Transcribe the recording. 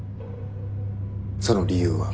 その理由は。